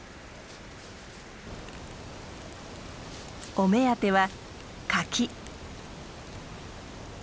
お目当ては柿。